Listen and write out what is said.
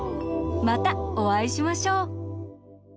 またおあいしましょう！